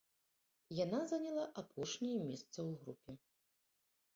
Яна заняла апошняе месца ў групе.